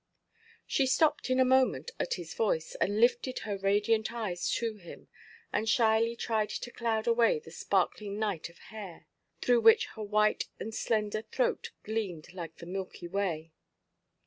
She stopped in a moment at his voice, and lifted her radiant eyes to him, and shyly tried to cloud away the sparkling night of hair, through which her white and slender throat gleamed like the Milky Way.